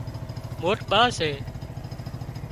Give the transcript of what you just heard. موٽ ٻا سي